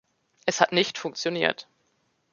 Es hat nicht funktioniert.